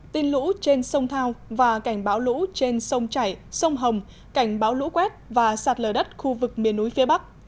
tin lũ trên sông thao và cảnh báo lũ trên sông chảy sông hồng cảnh báo lũ quét và sạt lở đất khu vực miền núi phía bắc